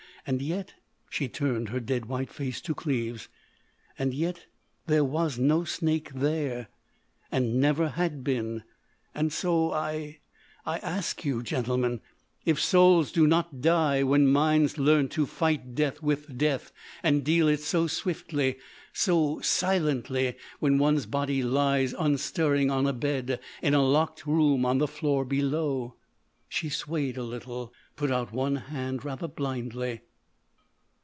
And yet——" She turned her dead white face to Cleves—"And yet there was no snake there!... And never had been.... And so I—I ask you, gentlemen, if souls do not die when minds learn to fight death with death—and deal it so swiftly, so silently, while one's body lies, unstirring on a bed—in a locked room on the floor below——" She swayed a little, put out one hand rather blindly.